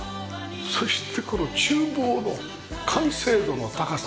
そしてこの厨房の完成度の高さ。